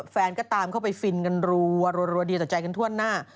แฟนก็ตามเข้าไปฟินกันรัวเดียต่อใจกันทั่วหน้า